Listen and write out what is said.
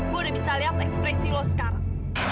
gue udah bisa lihat ekspresi lo sekarang